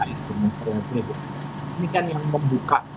ini kan yang membuka